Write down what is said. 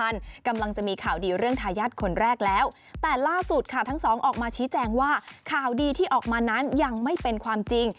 แต่ล่าสุดค่ะทั้งสองออกมาชี้แจงว่าข่าวดีที่ออกมานั้นยังไม่เป็นความจริง